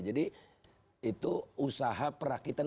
jadi itu usaha perakitan